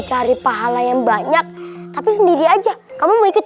cari pahala yang banyak tapi sendiri aja kamu mau ikut